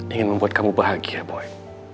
ingin membuat kamu bahagia boy